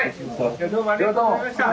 じゃあどうもありがとうございました。